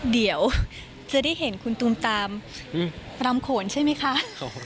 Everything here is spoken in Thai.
เดี๋ยวจะได้เห็นคุณตูมตามรำโขนใช่ไหมคะ